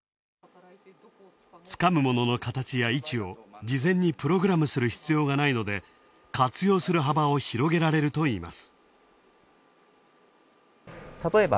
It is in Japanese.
つかむものの位置を事前にプログラムする必要がないので活用する幅を広げられるといいます。